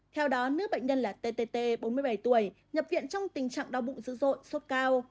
theo đó nữ bệnh nhân là tt bốn mươi bảy tuổi nhập viện trong tình trạng đau bụng dữ dội sốt cao